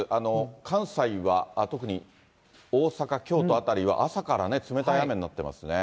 関西は特に大阪、京都辺りは、朝からね、冷たい雨になってますね。